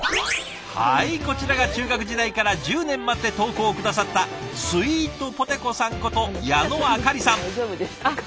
はいこちらが中学時代から１０年待って投稿を下さったスイートポテこさんこと矢野愛茄里さん。